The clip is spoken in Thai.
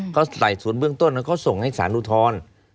เขาไต่สวนเบื้องต้นแล้วเขาส่งให้สารอุทธร